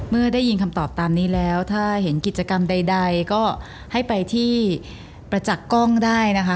เมื่อได้ยินคำตอบตามนี้แล้วถ้าเห็นกิจกรรมใดก็ให้ไปที่ประจักษ์กล้องได้นะคะ